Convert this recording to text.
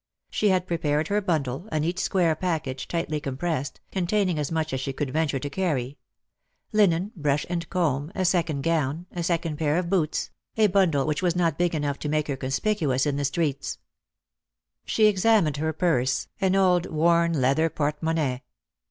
She had prepared her bundle, a neat square package, tightly compressed, containing as much as she could venture to carry — linen, brush and comb, a second gown, a second pair of boots — a bundle which was not big enough to make her con spicuous in the streets. Lost for Love. 193 She examine^ her purse, an old wonn leather portemoimaie.